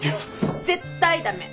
絶対駄目！